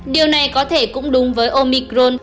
điều này có thể cũng đúng với omicron